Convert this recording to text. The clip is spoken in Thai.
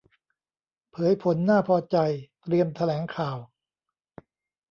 เผยผลน่าพอใจ เตรียมแถลงข่าว